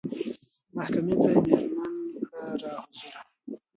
محکمې ته یې مېرمن کړه را حضوره